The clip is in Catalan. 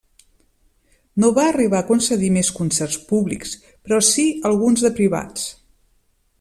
No va arribar a concedir més concerts públics, però si alguns de privats.